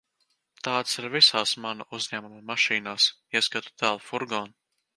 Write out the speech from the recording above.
Tādas ir visās mana uzņēmuma mašīnās, ieskaitot dēla furgonu.